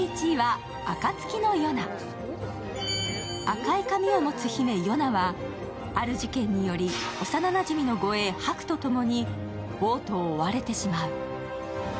赤い髪を持つ姫・ヨナは、ある事件により幼なじみの護衛・ハクとともに、王都を負われてしまう。